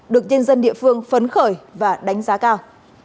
được nhân dân địa phương phấn khởi và đánh giá cao